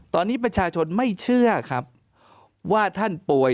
ตอนนี้ประชาชนไม่เชื่อครับว่าท่านป่วย